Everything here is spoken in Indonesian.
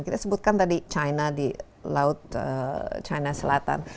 kita sebutkan tadi china di laut china selatan